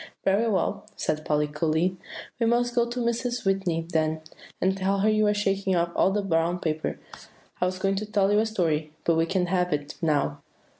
"Very well," said Polly coolly; "we must go to Mrs. Whitney then, and tell her that you are shaking off all the brown paper. I was going to tell you a story, but we can't have it now."